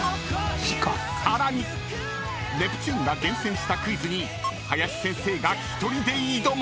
［さらにネプチューンが厳選したクイズに林先生が１人で挑む］